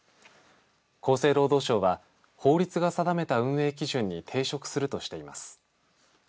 厚生労働省は法律が定めた運営基準に抵触するとしています。